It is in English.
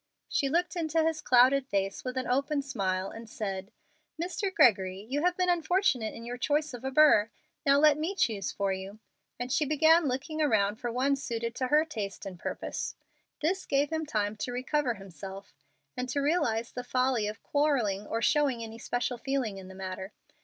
She looked into his clouded face with an open smile, and said, "Mr. Gregory, you have been unfortunate in the choice of a burr. Now let me choose for you;" and she began looking around for one suited to her taste and purpose. This gave him time to recover himself and to realize the folly of quarrelling or showing any special feeling in the matter.